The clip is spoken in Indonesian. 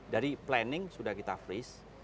dari planning sudah kita freeze